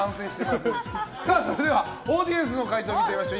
それでは、オーディエンスの回答を見てみましょう。